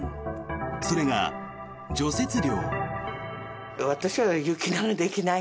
それが、除雪料。